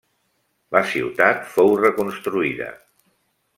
La ciutat fou reconstruïda.